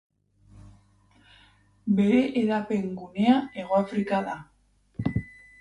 Bere hedapen gunea Hegoafrika da.